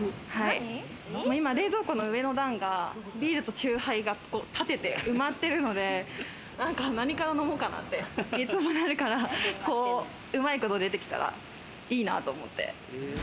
今、冷蔵庫の上の段がビールと酎ハイが立てて埋まってあるので、何から飲もうかなっていつもなるから、うまいこと出てきたらいいなと思って。